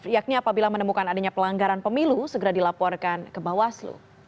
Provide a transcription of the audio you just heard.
yakni apabila menemukan adanya pelanggaran pemilu segera dilaporkan ke bawaslu